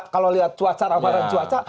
kalau lihat cuaca ramadan cuaca